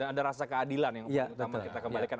dan ada rasa keadilan yang perlu kita kembalikan